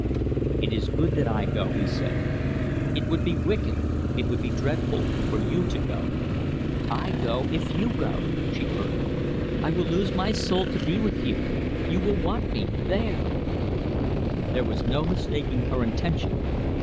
"It is good that I go," he said. "It would be wicked, it would be dreadful, for you to go." "I go if you go," she urged. "I will lose my soul to be with you; you will want me there!" There was no mistaking her intention.